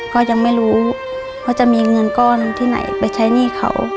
ก็ยังไม่รู้ว่าจะมีเงินก้อนที่ไหนไปใช้หนี้เขา